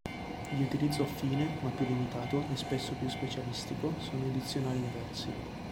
Di utilizzo affine, ma più limitato, e spesso più specialistico, sono i dizionari inversi.